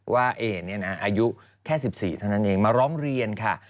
เอเนี่ยนะอายุแค่๑๔เท่านั้นเองมาร้องเรียนค่ะ